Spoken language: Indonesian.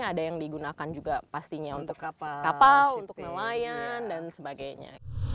ada yang digunakan juga pastinya untuk kapal untuk nelayan dan sebagainya